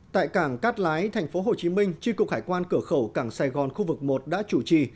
tại cảng cát lái tp hcm tri cục hải quan cửa khẩu cảng sài gòn khu vực một đã chủ trì